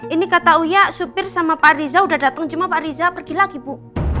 ini kata uya supir sama pak riza sudah datang cuma pak riza pergi lagi bu